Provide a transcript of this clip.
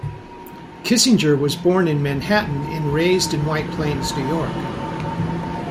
Kissinger was born in Manhattan and raised in White Plains, New York.